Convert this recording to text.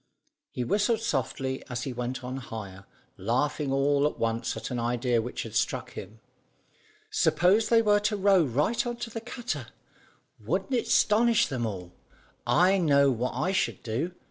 He whistled softly as he went on higher, laughing all at once at an idea which struck him. "Suppose they were to row right on to the cutter! Wouldn't it 'stonish them all? I know what I should do.